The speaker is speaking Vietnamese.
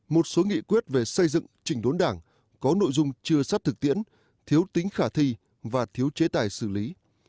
một số nghị quyết về xây dựng trình đốn đảng có nội dung chưa sát thực tiễn thiếu tính khả thi và thiếu chế tài xử lý